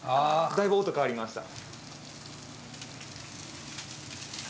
だいぶ音が変わりました。